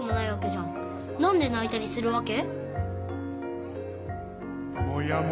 なんでないたりするわけ？